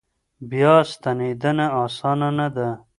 بیا ستنېدنه اسانه نه ده.